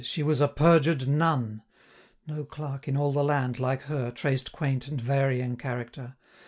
She was a perjured nun! 660 No clerk in all the land, like her, Traced quaint and varying character.